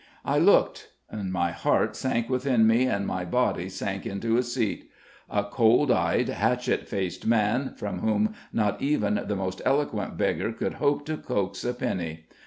I looked; my heart sank within me, and my body sank into a seat. A cold eyed, hatchet faced man, from whom not even the most eloquent beggar could hope to coax a penny.